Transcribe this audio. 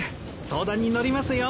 相談に乗りますよ。